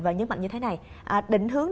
và nhấn mạnh như thế này định hướng